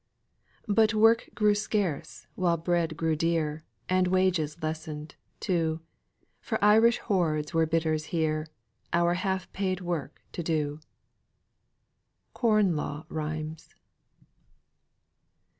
"But work grew scarce, while bread grew dear, And wages lessened, too; For Irish hordes were bidders here, Our half paid work to do." CORN LAW RHYMES.